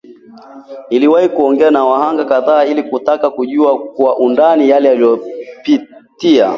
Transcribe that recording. Niliwahi kuongea na wahanga kadhaa ili kutaka kujua kwa undani yale wanayopitia